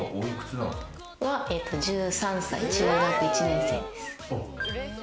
１３歳、中学１年生です。